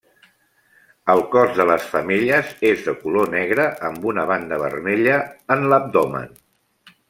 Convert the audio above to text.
El cos de les femelles és de color negre amb una banda vermella en l'abdomen.